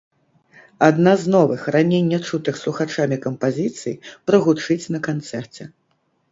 Адна з новых, раней не чутых слухачамі кампазіцый, прагучыць на канцэрце.